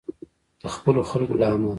د خپلو خلکو له امله.